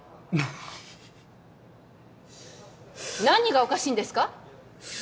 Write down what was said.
何がおかしいんですか？